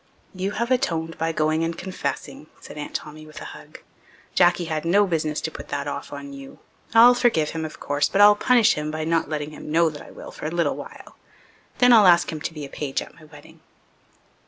"You have atoned by going and confessing," said Aunt Tommy with a hug, "Jacky had no business to put that off on you. I'll forgive him, of course, but I'll punish him by not letting him know that I will for a little while. Then I'll ask him to be a page at my wedding."